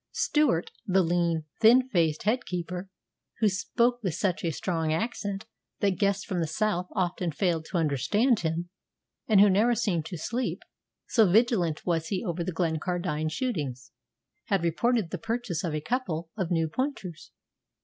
Stewart, the lean, thin faced head keeper, who spoke with such a strong accent that guests from the South often failed to understand him, and who never seemed to sleep, so vigilant was he over the Glencardine shootings, had reported the purchase of a couple of new pointers.